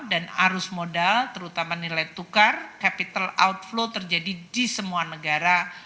dan arus modal terutama nilai tukar capital outflow terjadi di semua negara